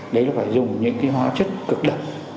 đấy là phải dùng những cái hóa chất cực độc